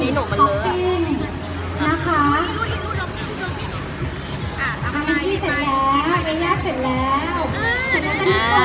เดี๋ยวไปดูคนนะคะ